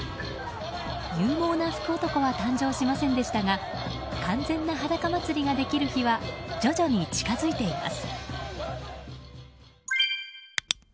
勇猛な福男は誕生しませんでしたが完全な裸祭りができる日は徐々に近づいています。